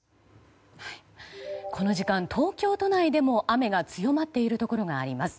この時間、東京都内でも雨が強まっているところがあります。